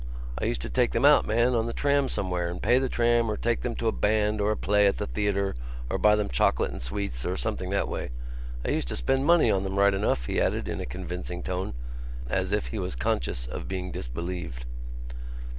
I used to take them out, man, on the tram somewhere and pay the tram or take them to a band or a play at the theatre or buy them chocolate and sweets or something that way. I used to spend money on them right enough," he added, in a convincing tone, as if he was conscious of being disbelieved.